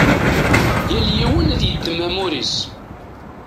Yal yiwen ad yeddem amur-is.